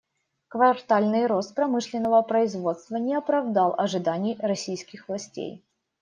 Квартальный рост промышленного производства не оправдал ожиданий российских властей.